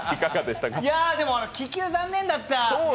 気球残念だった。